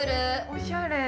◆おしゃれ。